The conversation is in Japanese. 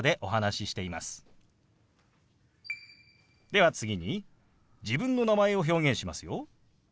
では次に自分の名前を表現しますよ。